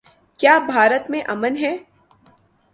کیا بھارت میں امن ہے؟